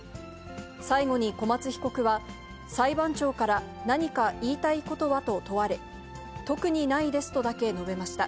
最後に小松被告は、裁判長から何か言いたいことはと問われ、特にないですとだけ述べました。